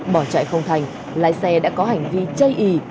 bỏ chạy không thành lái xe đã có hành vi chơi ỉ